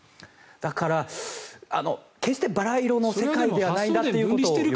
だから、決してバラ色の世界ではないということを。